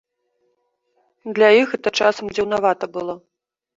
Для іх гэта часам дзіўнавата было.